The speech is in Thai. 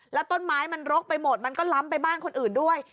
แล้วต้นไม้มันรกไปหมดมันก็ล้ำไปบ้านคนอื่นด้วย